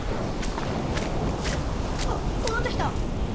あっ戻ってきた！